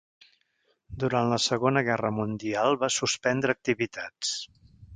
Durant la Segona Guerra Mundial va suspendre activitats.